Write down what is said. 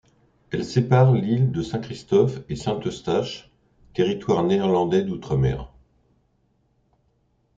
Elle sépare l'île de Saint-Christophe et Saint-Eustache, territoire néerlandais d'outre-mer.